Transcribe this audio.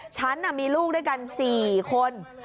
ฉันมีลูกด้วยกัน๔คน